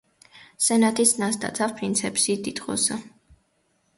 Սենատից նա ստացավ պրինցեպսի տիտղոսը։